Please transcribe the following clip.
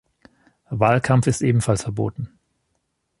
Wahlkampf ist ebenfalls verboten.